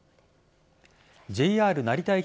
ＪＲ成田駅